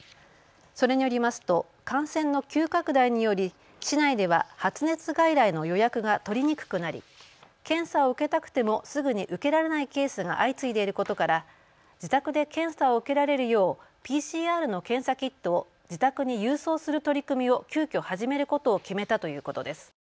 それによりますと感染の急拡大により市内では発熱外来の予約が取りにくくなり検査を受けたくてもすぐに受けられないケースが相次いでいることから自宅で検査を受けられるようＰＣＲの検査キットを自宅に郵送する取り組みを急きょ、始めることを決めたということです。